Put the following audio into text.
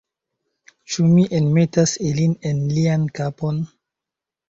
Ĉu mi enmetas ilin en lian kapon?